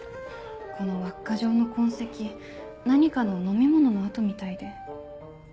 この輪っか状の痕跡何かの飲み物の跡みたいで。